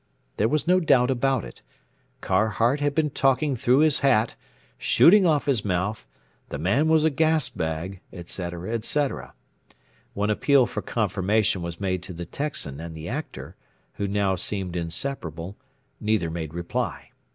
There was no doubt about it: Carhart had been "talking through his hat" "shooting off his mouth" the man was "a gas bag," etc., etc. When appeal for confirmation was made to the Texan and the Actor, who now seemed inseparable, neither made reply.